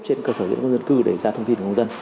trên cơ sở định công dân cư để ra thông tin cho công dân